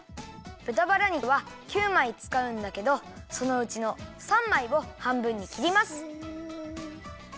ぶたバラ肉は９まいつかうんだけどそのうちの３まいをはんぶんにきります。